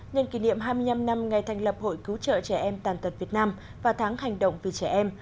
nhân kỷ niệm hai mươi năm năm ngày thành lập hội cứu trợ trẻ em tàn tật việt nam và tháng hành động vì trẻ em